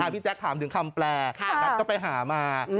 พี่แจ๊คถามถึงคำแปลนัทก็ไปหามา